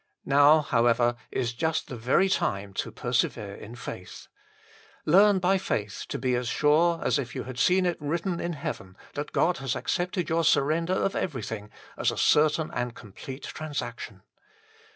Now, however, is just the very time to persevere in faith. Learn by faith to be as sure as if you had seen it written in heaven that God has accepted your surrender of everything as a certain and 88 THE FULL BLESSING OF PENTECOST completed transaction.